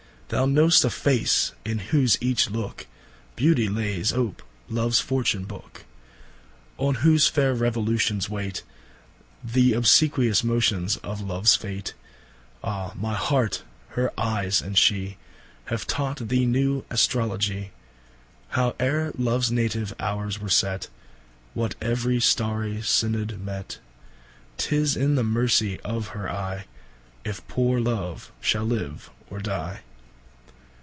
Thou know'st a Face in whose each looke, Beauty layes ope Loves Fortune booke; On whose faire revolutions waitThe obsequious motions of Loves fate; Ah my Heart, her eyes and shee, Have taught thee new Astrologie.How e're Loves native houres were set, What ever starry Synod met,'Tis in the mercy of her eye, If poore Love shall live or dye.